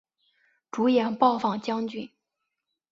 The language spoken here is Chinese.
主演暴坊将军。